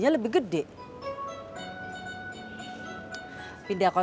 aku enggak bisa bikin